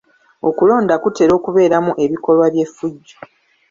Okulonda kutera okubeeramu ebikolwa by'effujjo.